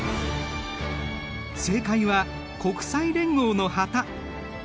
正解は国際連合の旗。